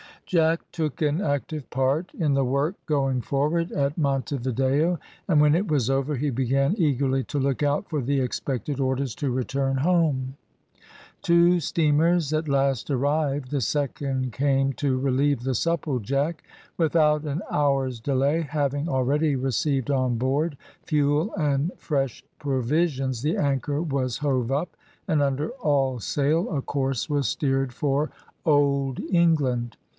Jack took an active part in the work going forward at Monte Video, and when it was over he began eagerly to look out for the expected orders to return home. Two steamers at last arrived, the second came to relieve the Supplejack. Without an hour's delay, having already received on board fuel and fresh provisions, the anchor was hove up, and under all sail a course was steered for Old England.